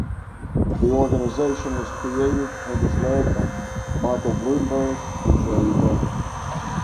The organization was created and is led by Michael Bloomberg and Jerry Brown.